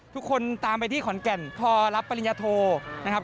ทุกคนตามไปที่ขอนแก่นพอรับปริญญาโทนะครับ